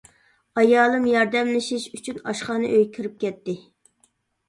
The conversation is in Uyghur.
ئايالىم ياردەملىشىش ئۈچۈن ئاشخانا ئۆيگە كىرىپ كەتتى.